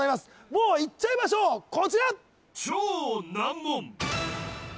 もういっちゃいましょうこちら！